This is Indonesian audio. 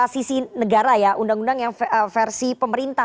sisi negara ya undang undang yang versi pemerintah